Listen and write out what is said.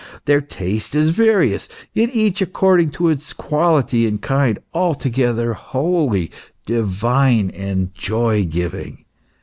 Their taste is various, in each according to its quality and kind, altogether holy, divine, and joy giving."